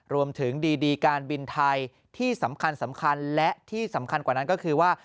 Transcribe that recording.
รวมถึงดีการบินไทยที่สำคัญสำคัญและที่สำคัญกว่านั้นก็คือว่า